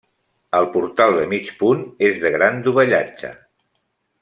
El portal de mig punt és de gran dovellatge.